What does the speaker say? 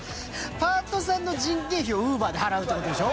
パートさんの人件費をウーバーで払うってことでしょ？